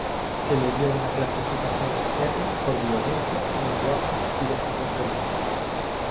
Se le dio una clasificación "R" por violencia, lenguaje y desnudez breve.